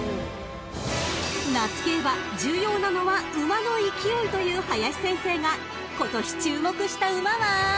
［夏競馬重要なのは馬の勢いという林先生が今年注目した馬は］